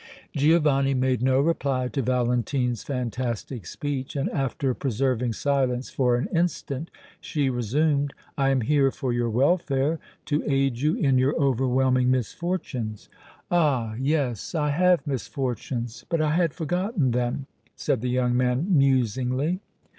Giovanni made no reply to Valentine's fantastic speech, and, after preserving silence for an instant, she resumed: "I am here for your welfare, to aid you in your overwhelming misfortunes!" "Ah! yes; I have misfortunes, but I had forgotten them," said the young man, musingly.